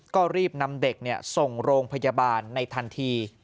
ก็รีบนำเด็กส่งโรงพยาบาลในทันที